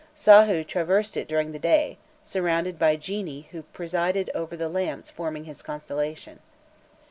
Sahû traversed it during the day, surrounded by genii who presided over the lamps forming his constellation.